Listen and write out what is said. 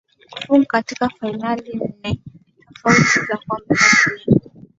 kufunga katika fainali nne tofauti za kombe la dunia